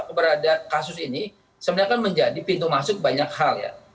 keberadaan kasus ini sebenarnya kan menjadi pintu masuk banyak hal ya